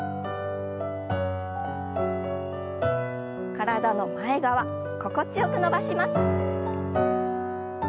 体の前側心地よく伸ばします。